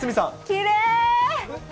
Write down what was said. きれい！